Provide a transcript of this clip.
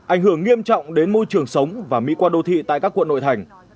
ảnh hưởng nghiêm trọng đến môi trường sống và mỹ quan đô thị tại các quận nội thành